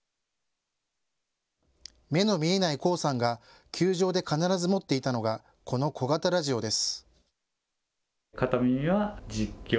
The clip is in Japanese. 目の見えない巧さんが球場で必ず持っていたのがこの小型ラジオです。